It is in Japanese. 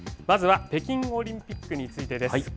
まずは北京オリンピックについてです。